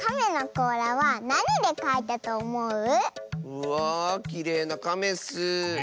うわきれいなカメッス。